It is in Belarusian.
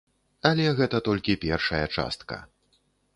Але гэта толькі першая частка.